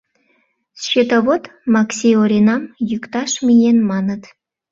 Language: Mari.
— Счетовод Макси Оринам йӱкташ миен, маныт.